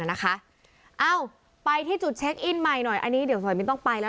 เอ้าไปที่จุดเช็คอินใหม่หน่อยอันนี้เดี๋ยวสมัยมินต้องไปแล้ว